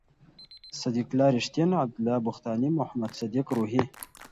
صد یق الله رېښتین، عبد الله بختاني، محمد صدیق روهي